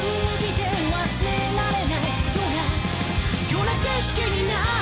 「ような景色になる」